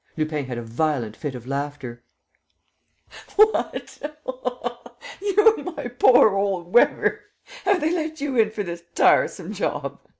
Lupin had a violent fit of laughter: "What, you, my poor old Weber! Have they let you in for this tiresome job?